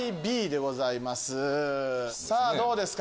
さぁどうですか？